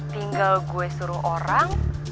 tinggal gue suruh orang